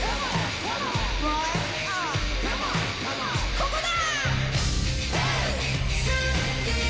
ここだ！